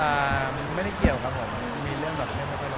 อ่ามันไม่ได้เกี่ยวกับผมมีเรื่องแบบได้เป็นไปหลังควร